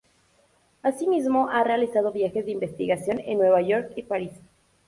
Asimismo ha realizado viajes de investigación en Nueva York y París.